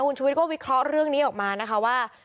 คุณชุวิตก็วิเคราะห์เรื่องนี้ออกมานะคะว่า